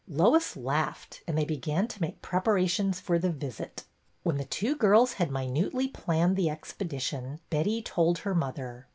Lois laughed, and they began to make preparations for the visit. When the two girls had minutely planned the expedition, Betty told her mother.